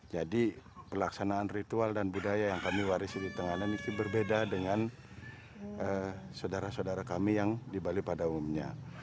jadi pelaksanaan ritual dan budaya yang kami warisi di tenganan ini berbeda dengan saudara saudara kami yang di bali pada umumnya